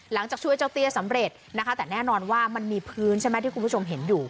หลังจากช่วยเจ้าเตี้ยสำเร็จนะคะแต่แน่นอนว่ามันมีพื้นใช่ไหมที่คุณผู้ชมเห็นอยู่